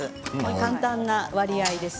簡単な割合です。